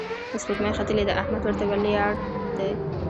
سپوږمۍ ختلې ده، احمد ورته ولياړ دی